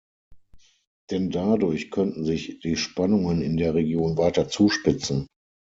Denn dadurch könnten sich die Spannungen in der Region weiter zuspitzen.